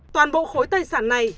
toàn bộ khối tài sản này